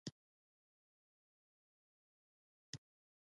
احمد تل د ملک خوټو ته اوبه وراچوي.